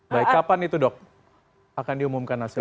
baik kapan itu dok akan diumumkan hasil